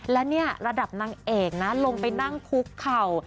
และระดับนางเอกลงไปนั่งคุกเข่า